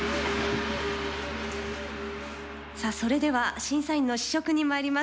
それでは審査員の試食にまいります。